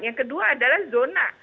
yang kedua adalah zona